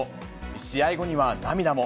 試合後には涙も。